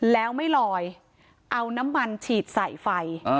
แล้วไม่ลอยเอาน้ำมันฉีดใส่ไฟ